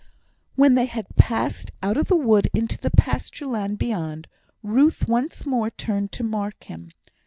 When they had passed out of the wood into the pasture land beyond, Ruth once more turned to mark him.